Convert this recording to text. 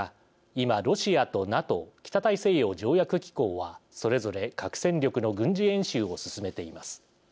今ロシアとＮＡＴＯ北大西洋条約機構はそれぞれ核戦力の軍事演習を進めています。